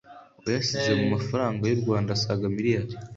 uyashyize mu mafaranga y’u Rwanda asaga miliyari